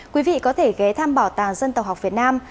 quý vị có thể ghé thăm bảo tàng dân tộc học việt nam